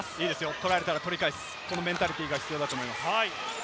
取られたら取り返す、このメンタリティーが必要だと思います。